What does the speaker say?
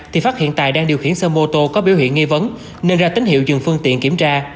thì phát hiện tài đang điều khiển xe mô tô có biểu hiện nghi vấn nên ra tín hiệu dừng phương tiện kiểm tra